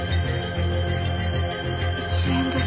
１円です。